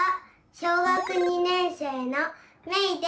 小学２年生のめいです。